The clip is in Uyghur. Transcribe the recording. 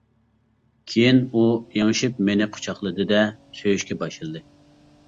كېيىن ئۇ ئېڭىشىپ مېنى قۇچاقلىدى-دە، سۆيۈشكە باشلىدى.